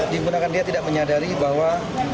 digunakan dia tidak menyadari bahwa